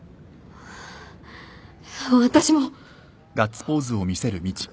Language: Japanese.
私も。